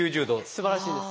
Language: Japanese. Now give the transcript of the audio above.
すばらしいです。